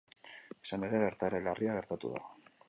Izan ere, gertaera larria gertatu da.